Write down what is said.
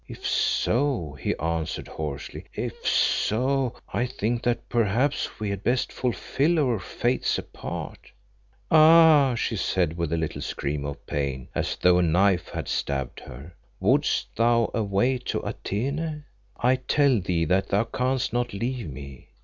"If so," he answered hoarsely, "if so, I think that perhaps we had best fulfil our fates apart " "Ah!" she said, with a little scream of pain as though a knife had stabbed her, "wouldst thou away to Atene? I tell thee that thou canst not leave me.